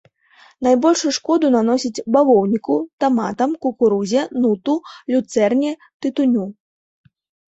Найбольшую шкоду наносіць бавоўніку, таматам, кукурузе, нуту, люцэрне, тытуню.